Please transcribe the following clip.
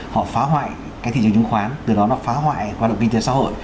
họ phá hoại cái thị trường chứng khoán từ đó nó phá hoại quá độ kinh tế xã hội